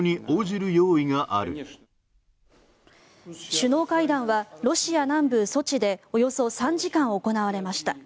首脳会談はロシア南部ソチでおよそ３時間行われました。